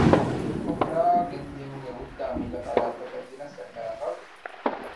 ޢުމްރާއަށް ގެންދިޔުމުގެ ހުއްދަ އަމިއްލަ ފަރާތްތަކަށް ދިނަސް އެންމެ ރަގަޅު